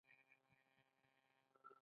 قومي جنجالونه حقیقت نه ښيي.